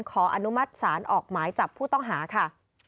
ขออนุมัติศาลออกหมายจับผู้ต้องหาค่ะ